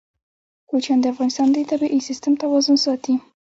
کوچیان د افغانستان د طبعي سیسټم توازن ساتي.